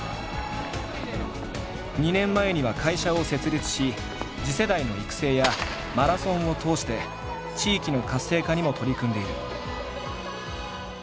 ２年前には会社を設立し次世代の育成やマラソンを通して地域の活性化にも取り組んでいる。